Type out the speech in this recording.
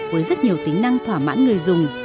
với rất nhiều tính năng thỏa mãn người dùng